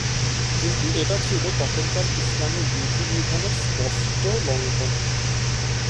কিন্তু এটা ছিলো তখনকার ইসলামী বিধি বিধানের স্পষ্ট লঙ্ঘন।